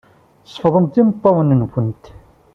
Sefḍemt imeṭṭawen-nwent.